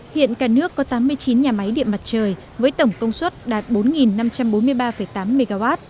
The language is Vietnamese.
hiện cả nước có tám mươi chín nhà máy điện mặt trời với tổng công suất đạt bốn năm trăm bốn mươi ba tám mw